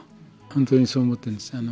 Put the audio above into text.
本当にそう思ってるんですね。